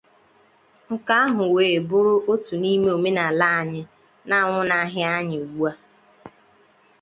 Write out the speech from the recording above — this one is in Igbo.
Nke ahụ wee bụrụ otu n'ime omenala anyị na-anwụnahị anyị ugbu a.